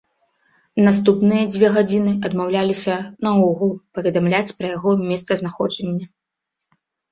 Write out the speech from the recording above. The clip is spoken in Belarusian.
Наступныя дзве гадзіны адмаўляліся наогул паведамляць пра яго месцазнаходжанне.